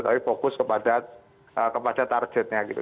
tapi fokus kepada targetnya gitu